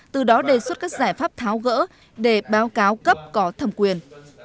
từ đó đề xuất các giải pháp tháo gỡ để báo cáo cấp có thẩm quyền